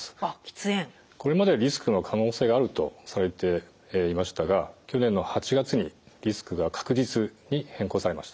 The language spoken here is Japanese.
これまではリスクの可能性があるとされていましたが去年の８月に「リスクが確実」に変更されました。